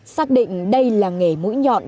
xác định đây làng nghề mũi nhọn